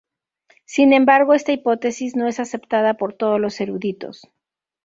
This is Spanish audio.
Sin embargo, esta hipótesis no es aceptada por todos los eruditos.